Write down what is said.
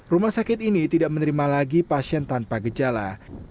rumah sakit ini tidak menerima lagi pasien tanpa gejala